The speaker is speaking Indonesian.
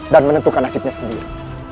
dan menentukan nasibnya sendiri